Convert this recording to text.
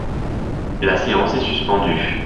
La séance est suspendue.